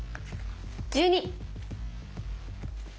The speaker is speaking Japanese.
１２！